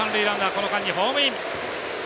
この間にホームイン。